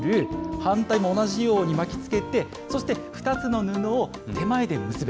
反対も同じように巻きつけて、そして２つの布を手前で結ぶ。